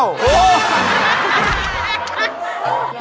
เฮ่ย